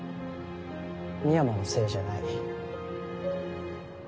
美山のせいじゃない。